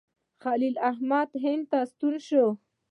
خلیل احمد هند ته ستون شو.